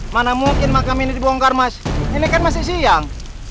mana mungkin makam ini dibongkar mas ini kan masih siang